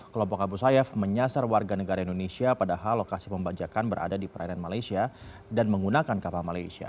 kelompok abu sayyaf menyasar warga negara indonesia padahal lokasi pembajakan berada di perairan malaysia dan menggunakan kapal malaysia